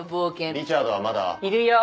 リチャードはまだ？いるよ。